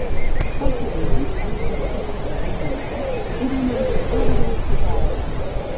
Pel que diuen, Elizabeth, La Reina Mare, era una admiradora de la seva obra.